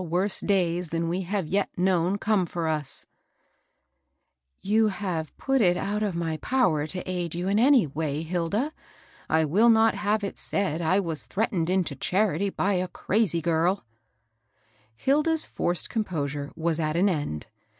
263 worse days than we have yet known come for usP' ''^Tou have put it out of my power to aid you in any way, Hilda. I will not have it said I was threatened into charity by a cra2y ghrV' Hilda's forced composure was at an end.